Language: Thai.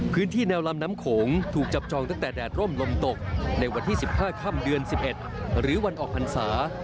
พื้นที่แนวลำน้ำโขงถูกจับจองตั้งแต่แดดร่มลมตกในวันที่๑๕ค่ำเดือน๑๑หรือวันออกพรรษา